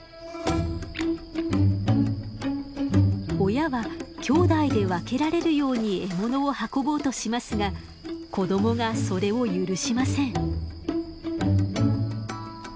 親はきょうだいで分けられるように獲物を運ぼうとしますが子供がそれを許しません。